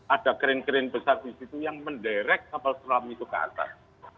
ada krain keren besar di situ yang menderek kapal selam itu ke atas